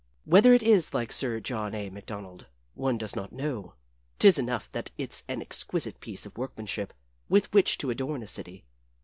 Whether it is like Sir John A. MacDonald, one does not know 'tis enough that it's an exquisite piece of workmanship with which to adorn a city.